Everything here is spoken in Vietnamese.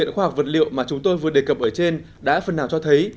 khoa học vật liệu mà chúng tôi vừa đề cập ở trên đã phần nào cho thấy